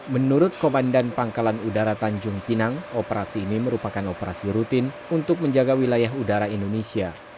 menurut komandan pangkalan udara tanjung pinang operasi ini merupakan operasi rutin untuk menjaga wilayah udara indonesia